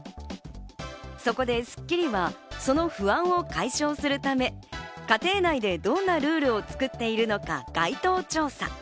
そこで『スッキリ』はその不安を解消するため、家庭内でどんなルールを作っているのか街頭調査。